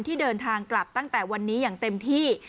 ที่เดินทางกลับตั้งแต่วันนี้อย่างเต็มที่